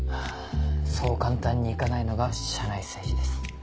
そう簡単に行かないのが社内政治です。